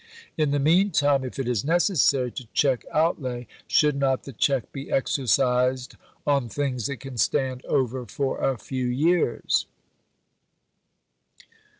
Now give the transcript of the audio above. In the meantime, if it is necessary to check outlay, should not the check be exercised on things that can stand over for a few years?